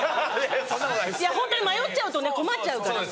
ホントに迷っちゃうとね困っちゃうから。